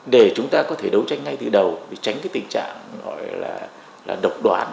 để chúng ta có thể đấu tranh ngay từ đầu để tránh cái tình trạng gọi là độc đoán